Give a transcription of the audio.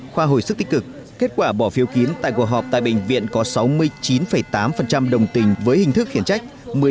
khoa hồi sức tích cực kết quả bỏ phiếu kín tại cuộc họp tại bệnh viện có sáu mươi chín tám đồng tình với hình thức khiến trách